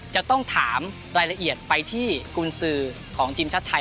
จะต้องถามรายละเอียดไปที่กุญสือของทีมชาติไทย